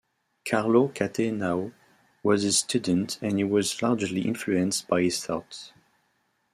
Carlo Cattaneo was his student and he was largely influenced by his thought.